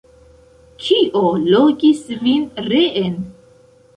Kio logis vin reen?